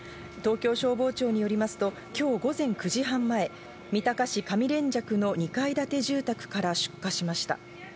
東京消防庁によりますと今日、午前９時半前、三鷹市・上連雀の２階建て住宅から出火しました。